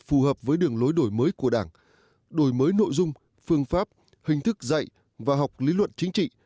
phù hợp với đường lối đổi mới của đảng đổi mới nội dung phương pháp hình thức dạy và học lý luận chính trị